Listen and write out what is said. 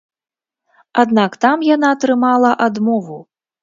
Аднак там яна атрымала адмову.